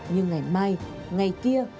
nhưng ngày mai ngày kia